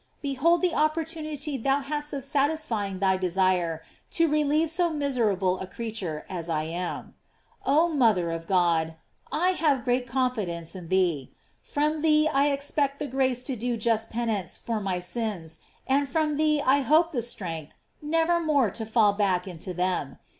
Behold the opportunity thou hast of satisfying thy desire to relieve so miserable a •reature as I am. Oh mother of God, I have great confidence in thee. From thee I expect the grace to do just penance for my sins, and fiom thee I hope the strength never more to fall back into them.